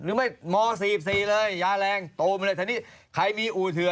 หรือมอเซียบเลยยาแรงโต้มอะไร